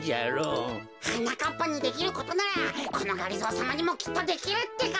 はなかっぱにできることならこのがりぞーさまにもきっとできるってか。